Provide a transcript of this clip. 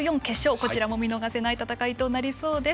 こちらも見逃せない戦いとなりそうです。